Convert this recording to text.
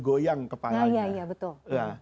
goyang kepalanya iya betul